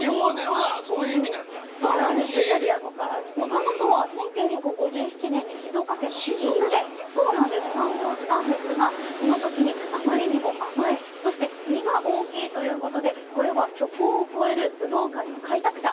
もともとは１９５７年に静岡県の伊豆で誕生したんですがその時にあまりにも甘いそして実が大きいということでこれは巨峰を超えるぶどう界の開拓者。